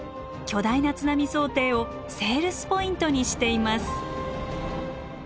巨大な津波想定をセールスポイントにしています。